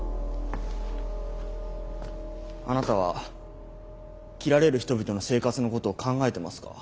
あなたは切られる人々の生活のことを考えてますか？